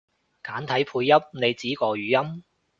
簡體配音？你指個語音？